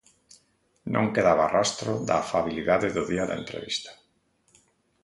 Non quedaba rastro da afabilidade do día da entrevista.